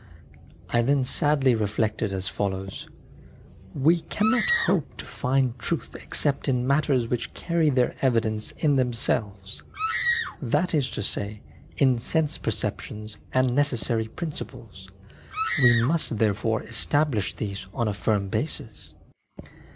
I then sadly re flected as follows :" We cannot hope to find truth C except in matters which carry their evidence in themselves — that is to say, in sense perceptions / and necessary principles ; we must therefore ~V/M establish these on a firm basis.